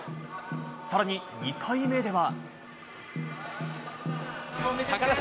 更に２回目では。